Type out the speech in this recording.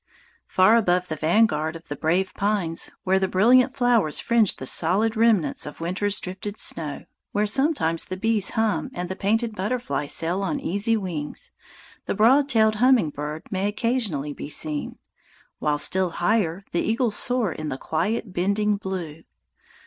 Far above the vanguard of the brave pines, where the brilliant flowers fringe the soiled remnants of winter's drifted snow, where sometimes the bees hum and the painted butterflies sail on easy wings, the broad tailed hummingbird may occasionally be seen, while still higher the eagles soar in the quiet bending blue.